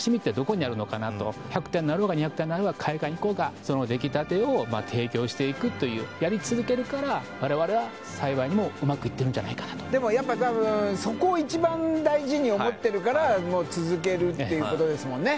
１００店になろうが２００店になろうが海外行こうがその出来たてを提供していくというやり続けるから我々は幸いにもうまくいってるんじゃないかなとでもやっぱ多分そこを一番大事に思ってるから続けるっていうことですもんね？